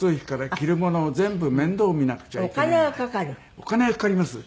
お金がかかります。